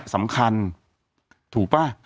สำคัญถูกป่ะ